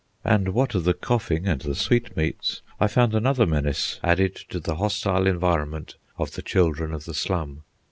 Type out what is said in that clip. And, what of the coughing and the sweetmeats, I found another menace added to the hostile environment of the children of the slum.